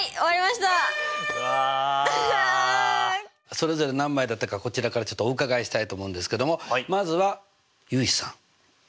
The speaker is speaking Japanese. それぞれ何枚だったかこちらからお伺いしたいと思うんですけどもまずは結衣さん。